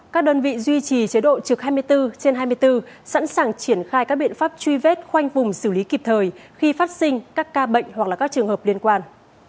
các đơn vị duy trì chế độ trực hai mươi bốn trên hai mươi bốn sẵn sàng triển khai các biện pháp truy vết khoanh vùng xử lý kịp thời khi phát sinh các ca bệnh hoặc là các trường hợp liên quan